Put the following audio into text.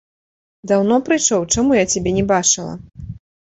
Даўно прыйшоў, чаму я цябе не бачыла?